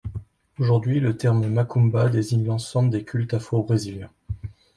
Aujourd'hui, le terme macumba désigne l’ensemble des cultes afro-brésiliens.